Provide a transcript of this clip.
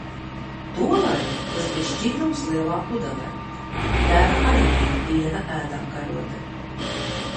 Tolaik tas bija šķidrums lielā pudelē. Deva arī bija viena ēdamkarote.